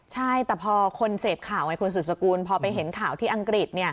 ใช่แต่พอคนเสพข่าวไงคุณสุดสกุลพอไปเห็นข่าวที่อังกฤษ